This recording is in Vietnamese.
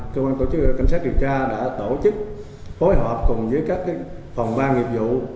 cơ quan tổ chức cảnh sát điều tra đã tổ chức phối hợp cùng với các phòng ban nghiệp vụ